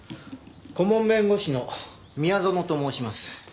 顧問弁護士の宮園と申します。